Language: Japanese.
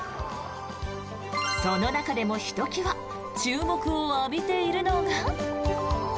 その中でもひときわ注目を浴びているのが。